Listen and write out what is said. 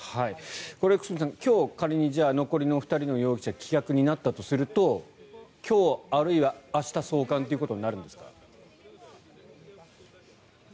久須美さん、今日仮に残りの２人の容疑者が棄却になったとすると今日、あるいは明日送還ということになるんですか？